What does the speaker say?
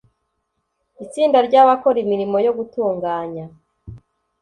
itsinda ry abakora imirimo yo gutunganya